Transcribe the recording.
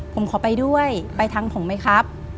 ผมขอไปด้วยไปทางผมไหมครับ